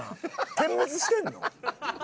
点滅してんの？